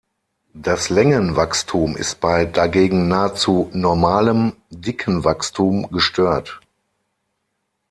Das Längenwachstum ist bei dagegen nahezu normalem Dickenwachstum gestört.